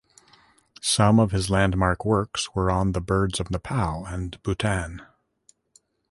Some of his landmark works were on the birds of Nepal and Bhutan.